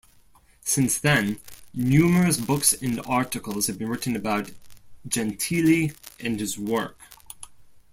Since then, numerous books and articles have been written about Gentili and his work.